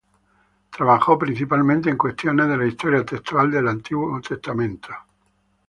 Trabajó principalmente en cuestiones de la historia textual del Antiguo Testamento.